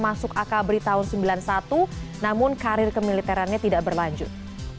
masuk akabri tahun seribu sembilan ratus sembilan puluh satu namun karir kemiliterannya tidak berlanjut